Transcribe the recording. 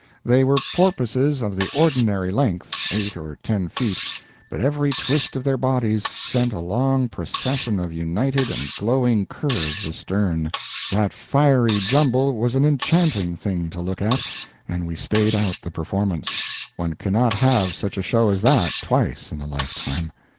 They were porpoises of the ordinary length eight or ten feet but every twist of their bodies sent a long procession of united and glowing curves astern. That fiery jumble was an enchanting thing to look at, and we stayed out the performance; one cannot have such a show as that twice in a lifetime.